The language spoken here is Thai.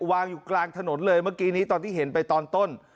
วางอยู่กลางถนนเลยเมื่อกี้นี้ตอนที่เห็นไปตอนต้น